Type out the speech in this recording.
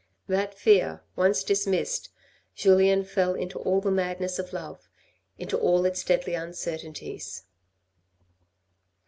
That fear once dismissed, Julien fell into all the madness of love, into all its deadly uncertainties.